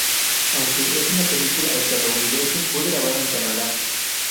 Aunque es una película estadounidense fue grabada en Canadá.